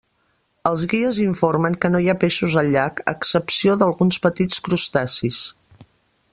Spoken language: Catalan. Els guies informen que no hi ha peixos al llac, a excepció d'alguns petits crustacis.